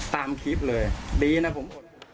ตามคลิปเลยดีนะผมอด